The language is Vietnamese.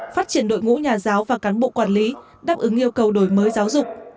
phát triển đội ngũ nhà giáo và cán bộ quản lý đáp ứng yêu cầu đổi mới giáo dục